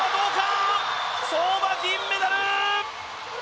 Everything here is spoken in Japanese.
相馬、銀メダル！